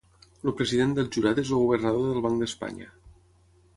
El president del jurat és el governador del Banc d'Espanya.